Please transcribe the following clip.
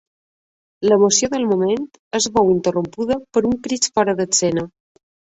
L'emoció del moment es veu interrompuda per uns crits fora d'escena.